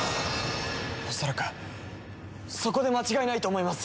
恐らくそこで間違いないと思います！